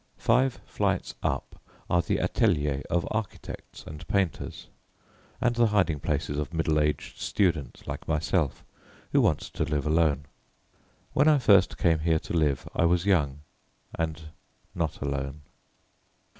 Five flights up are the ateliers of architects and painters, and the hiding places of middle aged students like myself who want to live alone. When I first came here to live I was young, and not alone.